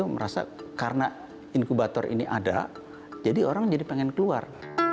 merasa karena inkubator ini ada jadi orang jadi pengen keluar